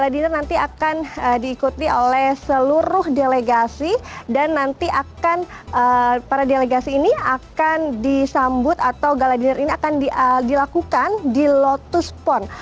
dinner nanti akan diikuti oleh seluruh delegasi dan nanti akan para delegasi ini akan disambut atau gala dinner ini akan dilakukan di lotus pon